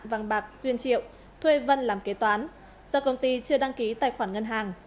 vàng bạc xuyên triệu thuê vân làm kế toán do công ty chưa đăng ký tài khoản ngân hàng